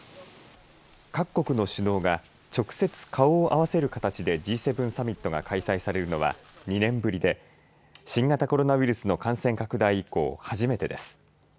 各国の首脳が直接顔を合わせる形でＧ７サミットが開催されるのは２年ぶりで新型コロナウイルスの感染拡大以降初めてです。